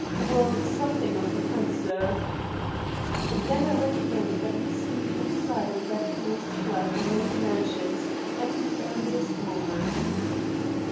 "Well, something of the kind, sir." "Then I recommend that we see the inside of that closed flat in Raleigh Mansions at the earliest moment."